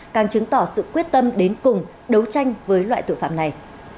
càng chứng tỏ sự quyết tâm đến cùng đấu tranh với loại tội phạm này